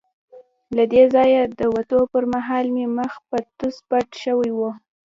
له دې ځایه د وتو پر مهال مې مخ په توس پټ شوی وو.